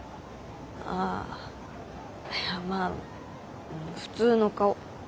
あいやまあ普通の顔。